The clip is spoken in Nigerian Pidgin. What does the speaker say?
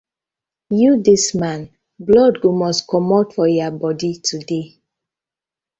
Yu dis man, blood go must komot for yah bodi today.